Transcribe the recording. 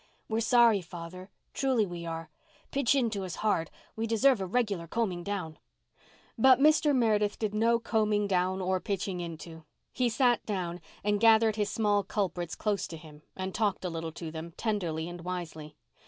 "We're sorry, Father—truly, we are. Pitch into us hard—we deserve a regular combing down." But Mr. Meredith did no combing down or pitching into. He sat down and gathered his small culprits close to him and talked a little to them, tenderly and wisely.